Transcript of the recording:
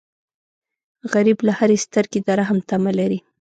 غریب له هرې سترګې د رحم تمه لري